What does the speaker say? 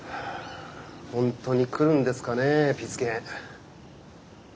本当に来るんですかねピス健。